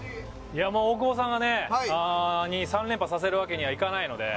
大久保さんに３連覇させるわけにはいかないので。